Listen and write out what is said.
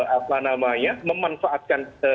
apa namanya memanfaatkan